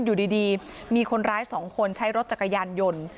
อยู่ดีมีคนร้าย๒คนใช้รถจักรยานยนต์